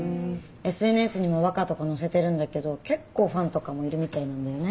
ＳＮＳにも和歌とか載せてるんだけど結構ファンとかもいるみたいなんだよね。